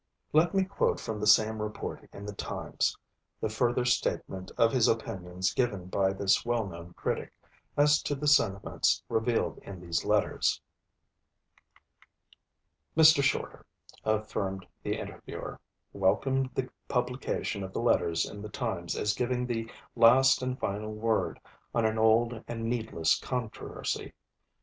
Let me quote from the same report in the Times the further statement of his opinions given by this well known critic, as to the sentiments revealed in these Letters: 'Mr. Shorter,' affirmed the interviewer, 'welcomed the publication of the letters in the Times "as giving the last and final word on an old and needless controversy."